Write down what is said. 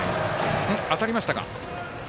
当たりましたか。